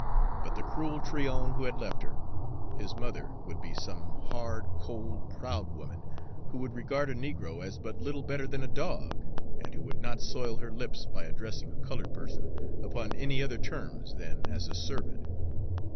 But the cruel Tryon who had left her his mother would be some hard, cold, proud woman, who would regard a negro as but little better than a dog, and who would not soil her lips by addressing a colored person upon any other terms than as a servant.